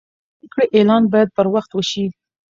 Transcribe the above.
د پریکړې اعلان باید پر وخت وشي.